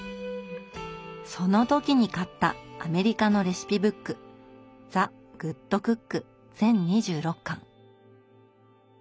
その時に買ったアメリカのレシピブック「ザグッドクック」全２６巻。